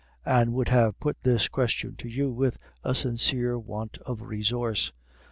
Anne would have put this question to you with a sincere want of resource.